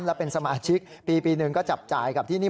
และเป็นสมาชิกปีหนึ่งก็จับจ่ายกับที่นี่